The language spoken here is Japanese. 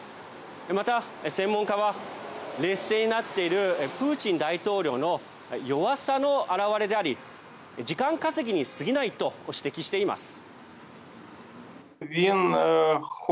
また、専門家は劣勢になっているプーチン大統領の弱さの表れであり時間稼ぎにすぎないと指摘しています。